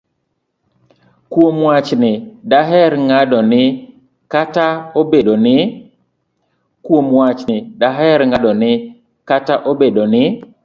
Kuom wachni, daher ng'ado ni kata obedo ni